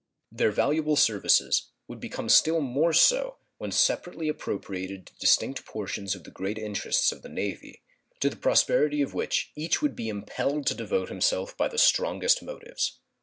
Their valuable services would become still more so when separately appropriated to distinct portions of the great interests of the Navy, to the prosperity of which each would be impelled to devote himself by the strongest motives.